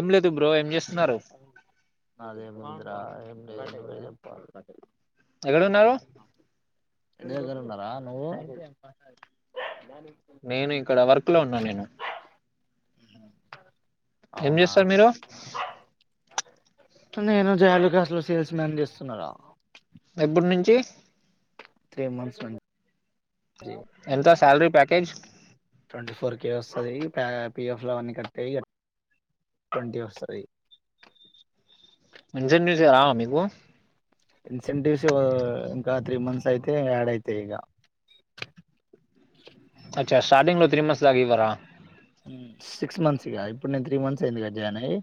ఏం లేదు బ్రో ఏం చేస్తున్నారు అదే ముద్ర [inaudible] [inaudible] ఎక్కడున్నారు ఇంటి దగ్గర ఉన్నారా నువ్వు నేను ఇక్కడ వర్క్ లో ఉన్నా నేను ఉమ్ హమ్ ఏం చేస్తారు మీరు నేను జోయలుకాస్ లో సేల్స్ మ్యాన్ చేస్తున్నారా ఎప్పుటి నుంచి త్రీ మంత్స్ నుంచి ఎంత salary package twenty four K ఒస్తది ప్యా పిఎఫ్ లు అవన్నీ కట్ అయి అట్ టొన్టీ ఒస్తది ఇన్సెంటివ్స్ లేవా మికూ ఇన్సెంటివ్స్ ఇంకా త్రీ మంత్స్ అయితే యాడ్ అయితై ఇగ అచ్చ స్టాటింగ్లో త్రీ మంత్స్ దాక్ ఇవ్వరా ఊ సిక్స్ మంత్స్గా ఇప్పుడు నేను త్రీ మంత్స్ అయింది గా జాయిన్ అయ్యి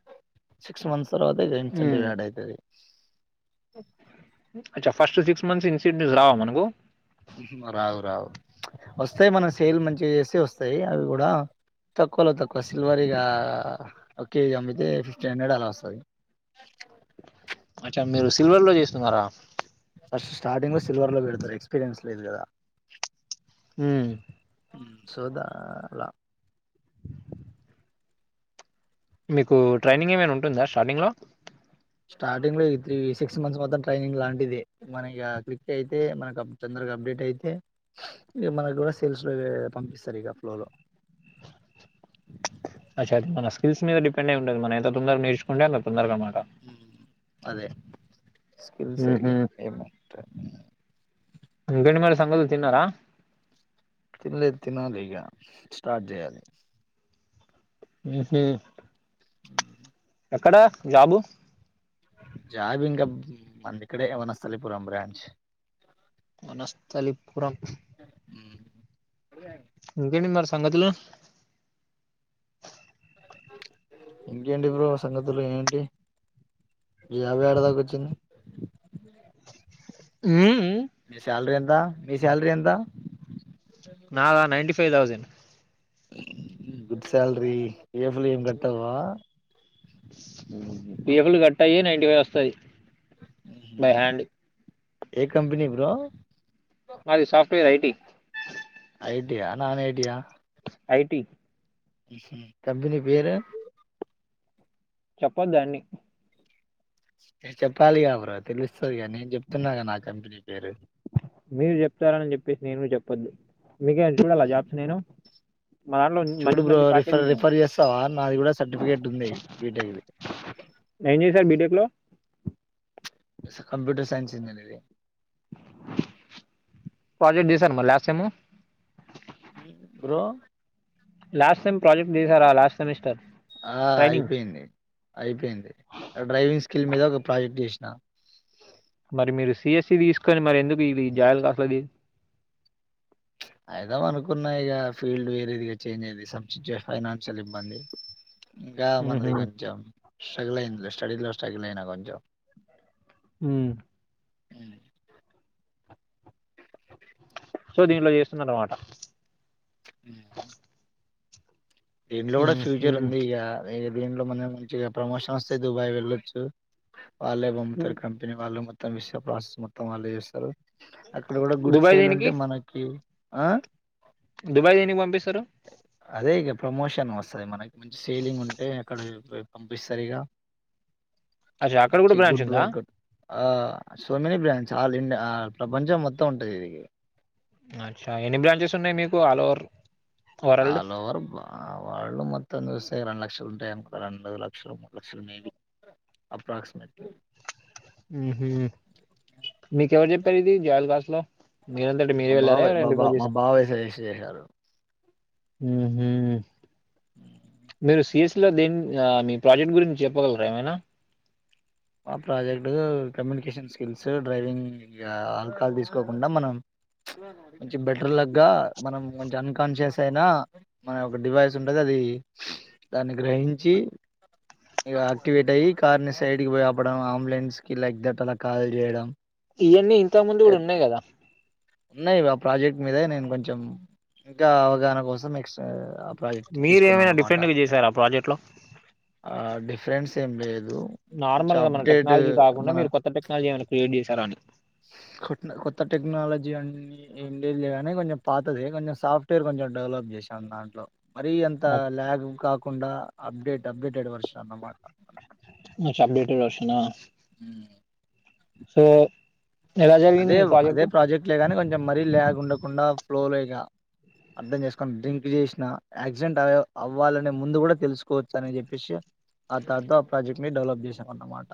సిక్ క్స్ మంత్స్ తర్వాత ఇగ ఇన్సెంటివ్ యాడ్ అయితది అచ ఫస్ట్ సిక్స్ మంత్స్ ఇన్సెంటివ్స్ రావా మనకు ఊహు రావు రావు ఒస్తై మన సేల్ మంచిగ్ చేస్తే ఒస్తాయి అవి గుడా తక్కువలో తక్కువ సిల్వరిగా ఒక్ కేజీ అమ్మితే ఫిఫ్టీన్ హండ్రెడ్ అలా ఒస్తది అచ్చా మీరు సిల్వర్ లో జేస్తున్నారా ఫస్ట్ స్టార్టింగ్ లో సిల్వర్ లో పెడతరు ఎక్స్పీరియన్స్ లేదు గదా ఊ సో దా లా మీకు ట్రైనింగ్ ఏమైనా ఉంటుందా స్టార్టింగ్ లో స్టార్టింగ్ లో ఈ త్రీ సిక్స్ మంత్స్ మాత్రం ట్రైనింగ్ లాంటిది మన ఇగ క్లిక్ అయితే మనక్ అప్ తొందరగా అబ్డేట్ అయితే ఇ మనగ్ గుడా సేల్స్ లోవే పంపిస్తరు ఇగ ఫ్లోర్లో అచ్చ అది మన స్కిల్స్ మీద డిపెండ్ అయి ఉంటది మనం ఎంత తొందర్గ్ నేర్చుంటే అంత తొందరగా మాట అదే స్కిల్స్ ఏగా ఏముంట ఇంకేంటి మరి సంగతులు తిన్నారా తిన్లేద్ తినాలి ఇగ స్టార్ట్ జేయాలి ఊహు ఎక్కడా జాబు జాబ్ ఇంకబ్ మంది ఇక్కడే వనస్థలిపురం బ్రాంచ్ వనస్థలిపురం ఇంకేంటి మర్స్ సంగతులు ఇంకేంటి బ్రో సంగతులు ఏంటి జాబ్ ఏడ దాక ఒచ్చింది ఊ ఉ మీ స్యాల్రీ ఎంత్ తా మీ స్యాల్రీ ఎంత నాద ninety five thousand good salary పిఎఫ్లు ఏం కట్ అవ్వవా పిఎఫ్లు కట్ అయి నైన్టీ ఫైవ్ ఒస్తది ఏ కంపినీ బ్రో మాది సాఫ్ట్వేర్ ఐటి ఐటియా నాన్ ఐటియా ఐటి ఉహు కంపినీ పేరు చప్పద్ అన్ని చెప్పాలిగా బ్ర తెలుస్తుందిగా నేను చెప్తున్నాగా నా కంపెనీ పేరు మీరు చెప్తారని చెప్పేసి నేను చెప్పద్దు విగే చూడాల జాబ్స నేను మా దాంట్లో చూడు మంచి బ్రో మంచి రఫ ప్యాకేజ్ ఉన్నాయి రిఫర్ చేస్తావా నాది కూడా సర్టిఫికెట్ ఉంది బీటెక్ది నేను చేశారు బీటెక్లో కంప్యూటర్ సైన్స్ ఇందనే ఇది ప్రాజెక్ట్ చేసారా మరి లాస్టుటైం మ్ bro last time project last semester ఆ అయిపోయింది అయిపోయింది డ్రైవింగ్ కల్ మీద ఒక ప్రాజెక్ట్ చేసిన మరి మీరు సిఎస్ఈ తీసుకొని మరి ఎందుకు ఇది జాయల్ కాసలుది అఐదా అనుకున్నా ఇక ఫీల్డ్ వేరే ఇదిగా చేంజ్ అయింది ఫైనాన్షియల్ ఇబ్బంది ఇంకా మనది కొంచెం స్టగలన్ స్టడీ లోస్టగలనా కొంచెం హ అ సో దీనిట్లో చేస్తుంద అన్నమాట [unintelligible] దీంట్లో కూడా ఫ్యూచర్ ఉంది ఇక ఈగ దీంట్లో మనం మంచిగా ప్రమోషన్ వస్తే దుబాయ్ వెళ్ళొచ్చు వాళ్లే పంపుతారు కంపెనీ వాళ్ళు మొత్తం మొత్తం విష ప్రొసెస్ మొత్తం వాళ్లే చేస్తారు అక్కడ కూడా గుడ్ దుబాయ్ శైలి దీనికి ఉంటే మనకి ఆ దుబాయ్ దేనికి పంపిస్తారు అదే ఈగ ప్రమోషన్ వస్తది మనకి మంచి సేలింగ్ ఉంటే అక్కడ పంపిస్తారు ఈగ అచ్చ అక్కడ కూడ బ్రాంచ్ ఉందా ఆ so many branch all India ప్రపంచం మొత్తం ఉంటది ఇది అచ్చా ఎన్ని బ్రాంచెస్స్ ఉన్నాయి మీకు all over world all over బ వాళ్ళు మొత్తం కలిసి అంటే రెండు లక్షలు ఉంటాయి అనుకో రెండు లక్షలు మూడు లక్షలు మేబీ అప్రాక్సిమేట్లీ ఊహు మీకెవరు చెప్పారు ఇది జోయలుకాస్ లో మీరంతంట మీరే మా వెళ్లారా బాబాయ్ ఎవరూ మా అయినా బా రిఫర్ మా చేశారా బాబాయ్ సజెస్ట్ చేశారు ఊహు మీరు సిఎస్ ఇందులో దిన్ ఆ మీ ప్రాజెక్ట్ గురించి చెప్పగలరా ఏమైనా ఆ project communication skills driving alcohol తీసుకోకుండా మనం కొంచెం బెటర్ లక్ గా మనం మంచి అన్కాన్షియస్ అయినా మన ఒక డివైస్ ఉంటది అది దాన్ని గ్రహించి ఈగ యాక్టివేట్ అయ్యి కార్న్ సైడ్ కి పోయి తిప్పడం అంబులెన్స్ కి లైక్ థాట్ అలా కాల్ చేయడం ఇయ్యాన్ని ఇంతకు ముందు గుడ ఉన్నాయి కదా ఉన్నాయి ఇవి ఆ ప్రాజెక్ట్ మీద నేను కొంచెం ఇంకా అవగాహన కోసం నెక్స్ట్ ఆ ప్రాజెక్ట్ మీరేమైనా తీసుకొనన్నామట డిఫరెంట్ గా చేశారా ప్రాజెక్ట్ లో అ డిఫరెన్స్ ఏం లేదు కొంచెం నార్మల్గా మన అప్డేట్ టెక్నాలజీ కాకుండా మన మీరు కొత్త టెక్నాలజీ ఏమైనా క్రియేట్ చేశారా అని జి లన్ని ఏం లేదులే గాని కొంచెం పాతదే కొంచెం సాఫ్ట్వేర్ కొంచెం డెవలప్ చేశాన్ దాంట్లో మరీ అంత ల్యాగ్ కా కుండా అప్డేట్ అప్డేటెడ్ వర్షన్ అన్నమాట అచ్చా అప్డేటడ్ వర్షన్ ఆ ఉమ్ సో ఎలా జరిగింది అదే మీ ఓ అదే ప్రాజెక్ట్ లేగాని కొ చామ్ మరీ ల్యాగ్ ఉండకుండా ఫ్లో లో ఈగ అర్థం చేసుకుని డ్రింక్ చేసినా యాక్సిడెంట్ అవ్యవ్ అవ్వాలనే ముందు కూడా తెలుసుకోవచ్చు అని చెప్పేసి ఆ తాత ఆ ప్రాజెక్ట్ ని డెవలప్ చేసి అన్నమాట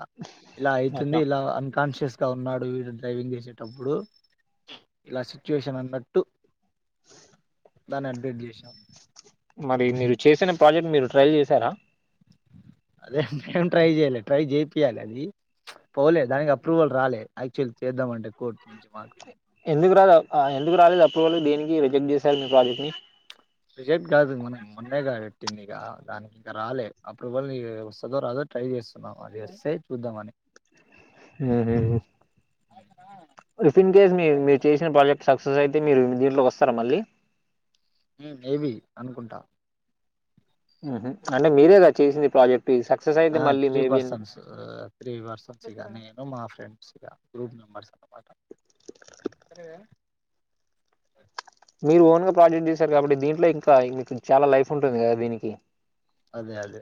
ఇలా అయితుంది అచ్చా ఇలా అన్కాన్షియస్ ఇట్టా ఉన్నాడు వీడు డ్రైవింగ్ చేసేటప్పుడు ఇలా సిచ్యువేషన్ అన్నట్టు దాన్ని అప్డేట్ చేసినవ్ మరీ మీరు చేసిన ప్రాజెక్ట్ మీరు ట్రైల్ చేశారా అదేేం ట్రై చేయలే ట్రై చేపియాలి అది పోలేదు దానికి అప్రూవల్ రాలే యాక్చువల్ చేద్దామంటే కోర్టు నుంచి మాకు ఎందుకు రాద్ ఆ ఎందుకు రాలేదు అప్రూవల్ దేనికి రిజెక్ట్ చేశారు మీ ప్రాజెక్ట్ ని రిజెక్ట్ కాదు మనం మొన్నేగా పెట్టింది ఇక దానికి ఇంక రాలే అప్రూవల్ ఇగ వస్తుందో రాదో ట్రై చేస్తున్నాం అది వస్తే చూద్దామని ఉహు ఇఫ్ ఇన్ కేేస్ మీరు చేసిన ప్రాజెక్ట్ సక్సెస్ అయితే మీరు వస్తారా మళ్ళీ ఉమ్ ఏవి అనుకుంటా హుహూ అంటే మీరేగా చేసింది ఈ ప్రాజె ఆ త్రీ పర్సన్స్ త్రీ పర్సన్స్ ఇగ నేను మా ఫ్రెండ్ [inaudible] గ్రూప్ మెంబెర్స్ అన్నమాట మీరు ఓన్ గా ప్రాజెక్ట్ చేశారు కాబట్టి దీంట్లో ఇంకా మీకు చాలా లైఫ్ ఉంటుంది కదా దీనికి అదే అదే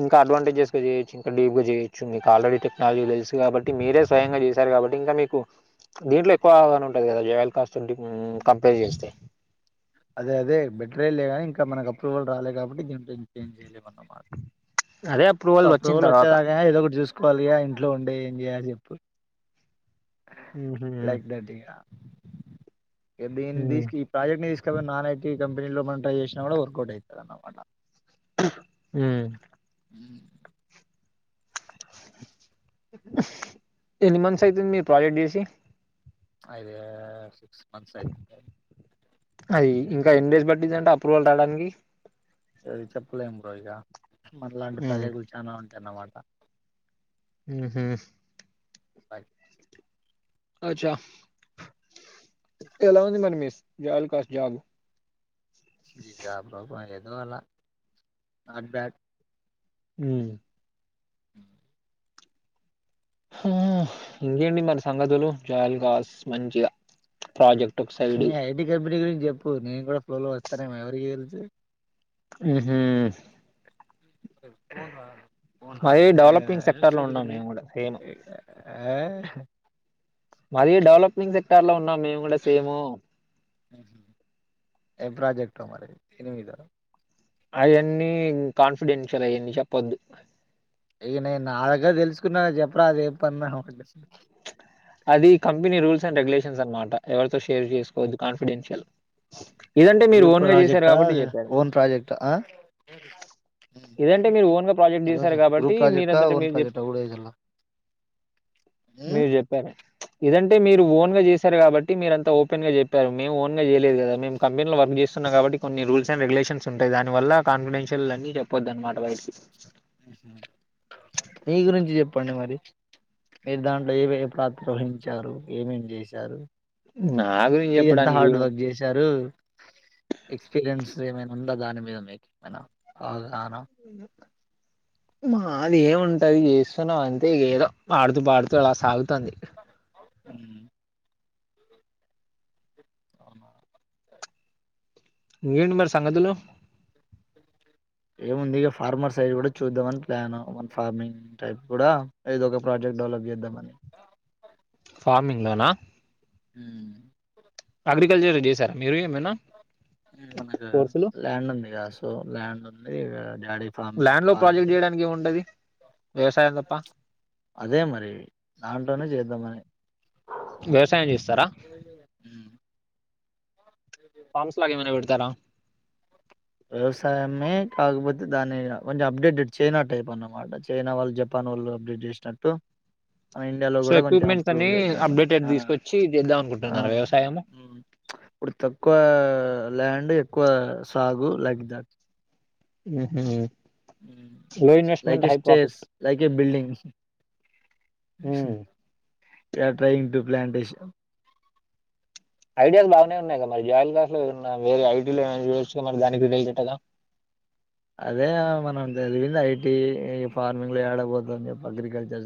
ఇంకా అడ్వాంటేజెస్ చేయచ్చు ఇంక డీప్గాజేయచ్చు ఆల్రెడీ టెక్నాలజీ తెల్సు కాబ మీరే స్వయంగా చేశారు కాబట్టి ఇంకా మీకు దీంట్లో ఎక్కువగా ఉంటుంది కదా [unintelligible] [unintelligible] కంపేర్ చేస్తే ఇక మన అప్రూవల్ రాలే కాబట్టి ఏం చేయలేమన్నమాట అదే సో వచ్చిన అప్రూవల్ తర్వాత వచ్చేదాకా ఏదో ఒకటి చూసుకోవాలి ఇ ఇంట్లో ఉండి ఎప్పుడు మ్మ్. లైక్ టింగ్ దీ మ్మ్. తీసు ఈ ప్రాజెక్ట్ ని తీసు ఎ నాన్ ఐటీ కంపెనీలో మనం ట్రై చేసినా కూడా వర్కౌట్ అవుతుంది అన్నమాట హ ఉమ్, ఎన్ని మంత్స్ అయితుంది మీరు ప్రాజెక్ట్ చేసి అయిదే స అది ఇంకా ఎన్ని డేస్ పట్టిందంటే అప్రూవల్ రావడానికి ఏది చెప్పలేం బోగా మట్లాంటి మ్మ్. ప్రాజెక్లు చాలా ఉంటాయి అన్నమాట ఆ హమ్ అ అచ్చా ఎలా ఉంది మరి మీస్ జయకాష్ జాగు ప్రోబ్లం ఎదు అాల నాట్ బ్యాడ్ అ ఉ ఇంకేట్టి మరి సంగతులు జాయలుకాస్ మంచిగా ప్రాజెక్ట్ ఒక సైడ్ ని ఐటి కంపెనీ గురించి చెప్పు నేను కూడా త్వరలో లో వస్తానేమో ఎవరికి తెలుసు ఉ ఉ హు మరీ డెవలపింగ్ ఓన్ సెక్టర్ లో ఉన్నాం మేము కూడా సేమ్ హ అ క్టార్ లో ఉన్నాం మేము కూడా సేము ఏ ప్రాజెక్ట్ మరి ఎనిమిధ అయన్నీ కాన్ఫిడెన్షియల్ అయాన్ని చెప్పొద్దు ఏ నా దగ్గర తెలుసుకున్నా చెప్పరా దేం ప అది కంపెనీ రూల్స్ అండ్ రెగ్యులేషన్స్ అన్నమాట ఎవరితో షేర్ చేసుకోవద్దు కాన్ ఫిడెన్షియల్ గ్రూప్ ప్రాజెక్టా ఓన్ ప్రాజెక్ట్ అ ఇదంటే మీరు ఓన్ గా ప్రాజెక్ట్ చేశారు కాబట్టి గ్రూప్ ప్రాజెక్ట్ మీరంతటా ఓన్ మీరు ప్రాజెక్ట్ ఊడ మీరు చెప్పార ఇదం అంటే మీరు ఓన్గా చేశారు కాబట్టి మీరంతా ఓ ఓపెన్ గ చెప్పారు మేము ఓన్గా చేయలేదు కద మేము కంపెనీ లో వర్క్ చేస్తున్నా కాబట్టి కొన్ని రూల్స్ అండ్ రెగ్యులేషన్ ఉంటాయి దాని వల్ల కానీఫీడెన్సియల్ అన్ని చెప్పదనుమాట బయటకి మీ గురించి చెప్పండి మరి మీరు దాంట్లో ఏవి ఏ ప్రాత్ర వహించారు ఏమేమి చేశారు నా గురించి ఇది ఎంత చెప్పడానికి హార్డ్ ఏముంది వర్క్ చేశారు ఎక్స్పీరియన్స్ ఏమైనా ఉందా దాని మీద మీకు ఏమైనా బాగా ఆహా మాది ఏముంటది చేస్తున్నావు అంతే ఏదో ఆడుతూ పాడుతూ అలా సాగుత తంది ఉమ్ అవునా ఇంకేంటి మరి సంగతులు ఏముంది ఇక ఫార్మర్ సైడ్ కూడా చూద్దామని ప్లాన్ ఫార్మింగ్ టైప్ కూడా ఏదో ఒక ప్రాజెక్ట్ డెవలప్ చేద్దాం అని ఫార్మింగ్ లొనా ఉ అగ్రికల్చర్ చేశారా మీరు ఏమైనా మనకు కోర్సులు? ల్యాండ్ ఉందిగ సో ల్యాండ్ ఉంది ఇగ ల్యాండ్ లో ప్రాజెక్ట్ చేయడానికి ఏముంటది వ్యవసాయం తప్ప అదే మరి దాంట్లోనే చేద్దామని వ్యవసాయం చేస్తారా ఉమ్. ఫార్మ్స్ లాగా ఏమైనా పెడతారా వ్యవసాయమే కాకపోతే దాన్ని కొంచెం అప్డేటెడ్ చైనా టైప్ అన్నమాట చైనా వాళ్ళు జపాన్ వాళ్ళు అప్డేట్ చేసినట్టు ఇండియాలో సో కూడా కొంచెం ఎక్విప్మెంట్స్ ఇంప్రూవ్ అన్ని చేద్దామని అప్డేటెడ్ తీసుకొచ్చి చేద్దాం అనుకుంటున్నారు వ్యవసాయము ఇప్పుడు తక్కువ ల్యాండ్ ఎక్కువ సాగు లైక్ దాట్ లో investment like a high profit stairs like a building టంగ్ ప్లాలాంటేషన్ ఐడియాస్ బాగానే ఉన్నాయి కదా మరి జాయిల్ కస్ లో వేరే ఐటీలో మరి దానికి కదా అదే మనం చదివింది ఐటీ ఈ ఫార్మింగ్ లో ఏడపోతుంది అగ్రికల్చర్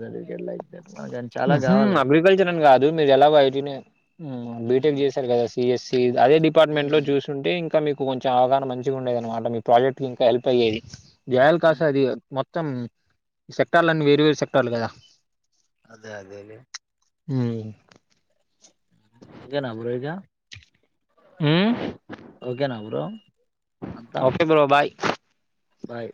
లైక్ దట్ మనకు చాలా కావాలి మ్ అవి అగ్రికల్చర్ అని కాదు మీరు ఎలాగో యటీనే ఉమ్, బీటెక్ చేశారు కదా సిఎస్సి అదే డిపార్ట్మెంట్ లో ఉమ్, చూసింటే ఇంకా మీకు కొంచెం అవగాహన మంచిగా ఉండేద అనమా మీ ప్రాజెక్ట్ కంకా హెల్ప్ అయ్యేది జయల్ కాస ఉమ్, అది మొత్త మొత్తం సెక్టర్లున్నీ వేరు వేరు సెక్టర్లు కదా అదే అదే అదే అ కనా బ రహజ ఓకేనా బ్రో అంతా ఓకే బ్రో బాయ్ బాయ్